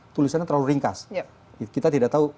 tulisannya terlalu ringkas kita tidak tahu